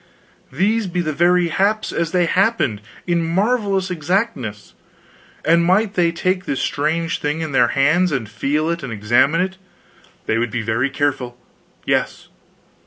"These be the very haps as they happened, in marvelous exactness!" And might they take this strange thing in their hands, and feel of it and examine it? they would be very careful. Yes.